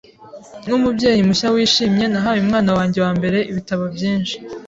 Nkumubyeyi mushya wishimye, nahaye umwana wanjye wambere ibitabo byinshi.